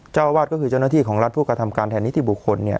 เจ้าอาวาสก็คือเจ้าหน้าที่ของรัฐผู้กระทำการแทนนิติบุคคลเนี่ย